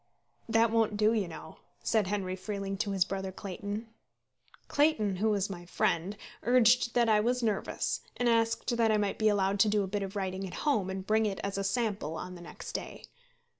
"That won't do, you know," said Henry Freeling to his brother Clayton. Clayton, who was my friend, urged that I was nervous, and asked that I might be allowed to do a bit of writing at home and bring it as a sample on the next day.